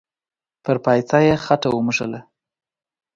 پر پايڅه يې خټه و موښله.